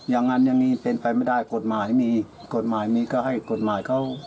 อย่างนั้นอย่างนี้เป็นไปไม่ได้กฎหมายมีกฎหมายมีก็ให้กฎหมายเขา